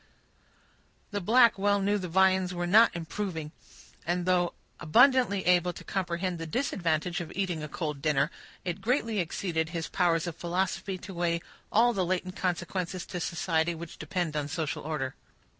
The black well knew the viands were not improving; and though abundantly able to comprehend the disadvantage of eating a cold dinner, it greatly exceeded his powers of philosophy to weigh all the latent consequences to society which depend on social order.